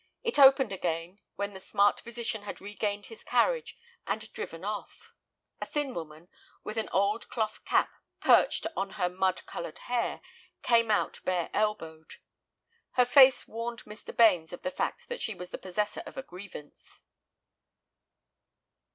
It opened again when the smart physician had regained his carriage and driven off. A thin woman, with an old cloth cap perched on her mud colored hair, came out bare elbowed. Her face warned Mr. Bains of the fact that she was the possessor of a grievance.